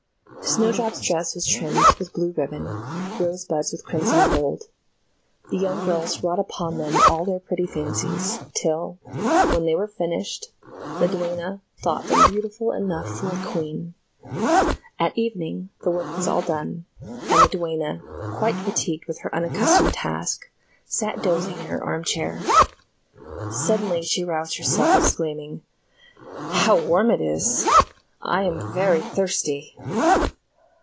Snowdrop's dress was trimmed with blue ribbon, Rosebud's with crimson and gold. The young girls wrought upon them all their pretty fancies, till, when they were finished, the duenna thought them beautiful enough for a queen. At evening the work was all done; and the duenna, quite fatigued with her unaccustomed task, sat dozing in her arm chair. Suddenly she roused herself, exclaiming: "How warm it is! I am very thirsty."